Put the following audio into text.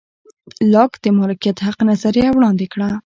لاک د مالکیت حق نظریه وړاندې کړه.